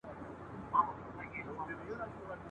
د ګل غونډۍ پر سره لمن له ارغوانه سره !.